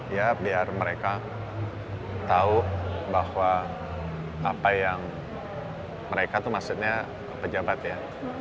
ya biar mereka tahu bahwa apa yang mereka tuh maksudnya pejabat ya